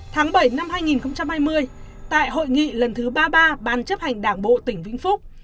tháng bảy năm hai nghìn hai mươi tại hội nghị lần thứ ba mươi ba ban chấp hành đảng bộ tỉnh vĩnh phúc